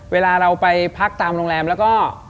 เวลาเราไปพักตามโรงแรมแล้วก็